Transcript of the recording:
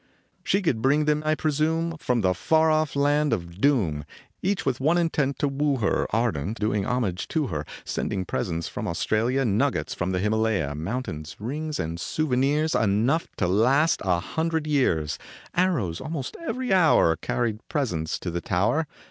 She could bring them, I presume, From the far off land of doom, Each with one intent to woo her, Ardent, doing homage to her, Sending presents from Australia, Nuggets from the Himalaya Mountains, rings and souvenirs Enough to last a hundred years ; Arrows almost every hour Carried presents to the tower.